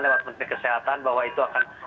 lewat menteri kesehatan bahwa itu akan